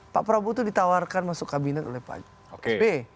pak prabowo itu ditawarkan masuk kabinet oleh pak sb